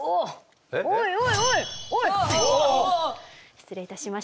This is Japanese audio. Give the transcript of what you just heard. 失礼いたしました。